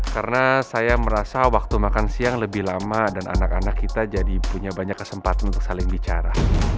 karena saya merasa waktu makan siang lebih lama dan anak anak kita jadi punya banyak kesempatan untuk saling bicara